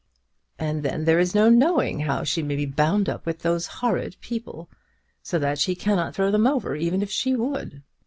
And then there is no knowing how she may be bound up with those horrid people, so that she cannot throw them over, even if she would."